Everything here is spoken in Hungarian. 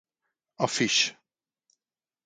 A Fish!